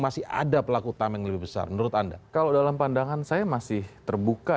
masih ada pelaku utama yang lebih besar menurut anda kalau dalam pandangan saya masih terbuka